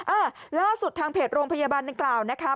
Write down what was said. อ่าล่าสุดทางเพจโรงพยาบาลดังกล่าวนะคะ